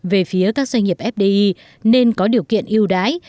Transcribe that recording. về phía các doanh nghiệp fdi nên có điều kiện yêu đái